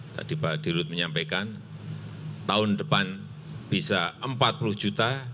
tadi pak dirut menyampaikan tahun depan bisa empat puluh juta